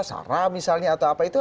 sarah misalnya atau apa itu